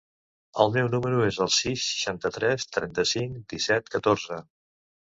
El meu número es el sis, seixanta-tres, trenta-cinc, disset, catorze.